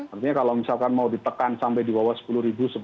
artinya kalau misalkan mau ditekan sampai di bawah sepuluh